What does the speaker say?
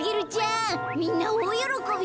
みんなおおよろこびだよ。